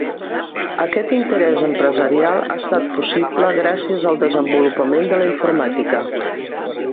Aquest interès empresarial ha estat possible gràcies al desenvolupament de la informàtica.